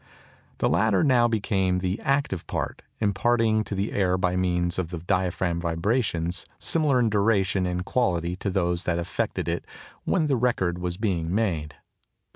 The latter now became the active part, imparting to the air by means of the diaphragm vibrations similar in duration and quality to those that affected it when the record was being made.